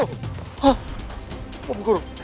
hah bapak guru